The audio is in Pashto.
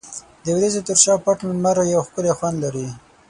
د وریځو تر شا پټ لمر یو ښکلی خوند لري.